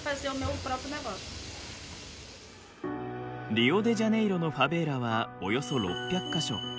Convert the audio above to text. リオデジャネイロのファベーラはおよそ６００か所。